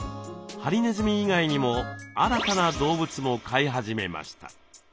ハリネズミ以外にも新たな動物も飼い始めました。